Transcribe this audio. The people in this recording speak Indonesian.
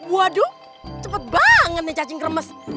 waduh cepet banget nih cacing kremes